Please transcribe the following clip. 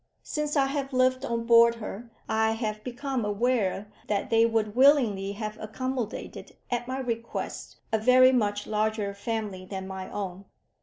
Since I have lived on board her, I have become aware that they would willingly have accommodated, at my request, a very much larger family than my own.